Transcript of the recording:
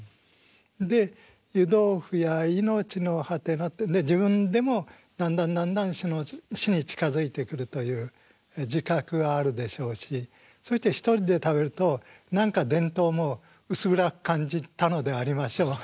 「湯豆腐やいのちのはての」って自分でもだんだんだんだん死に近づいてくるという自覚はあるでしょうしそして一人で食べると電灯も薄暗く感じたのでありましょう。